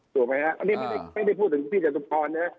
ดูแลไหมฮะแม่ได้พูดถึงพี่จัตรุภรเนี่ย